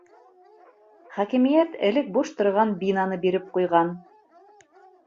Хакимиәт элек буш торған бинаны биреп ҡуйған.